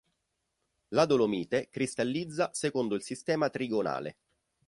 La dolomite cristallizza secondo il sistema trigonale.